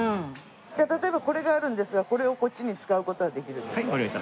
じゃあ例えばこれがあるんですがこれをこっちに使う事はできるんですか？